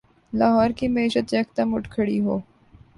لاہور کی معیشت یکدم اٹھ کھڑی ہو۔